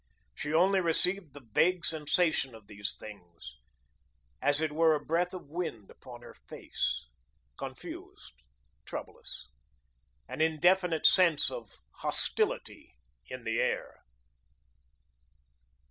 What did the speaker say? She only received the vague sensation of these things, as it were a breath of wind upon her face, confused, troublous, an indefinite sense of hostility in the air.